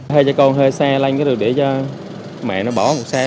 thầy cho con hơi xe lanh để cho mẹ nó bỏ một xe